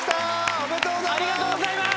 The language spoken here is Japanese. おめでとうございます！